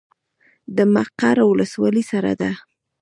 د مقر ولسوالۍ سړه ده